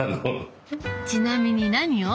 ちなみに何を？